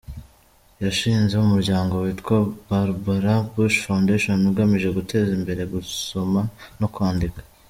Yashinze umuryango witwa Barbara Bush Foundation, ugamije guteza imbere gusoma no kwandika.